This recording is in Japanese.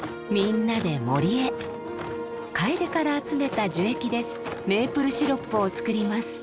カエデから集めた樹液でメープルシロップを作ります。